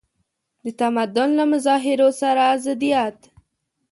د تمدن له مظاهرو سره ضدیت.